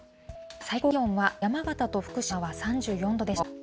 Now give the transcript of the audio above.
最高気温は、山形と福島は３４度でしょう。